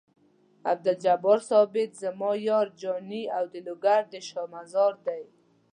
عبدالجبار ثابت زما یار جاني او د لوګر د شاه مزار دی.